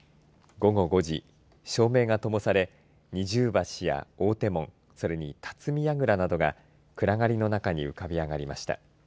午後５時、照明が灯され二重橋や大手門それに巽櫓などが暗がりの中に浮かび上がりました。